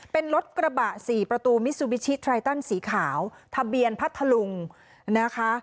เป็นรถกระบะสี่ประตูมิซูบิชิไทตันสีขาวทะเบียนพัทธลุงนะคะ